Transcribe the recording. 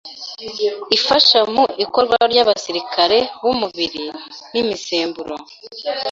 ifasha mu ikorwa ry’abasirikare b’umubiri, n’imisemburo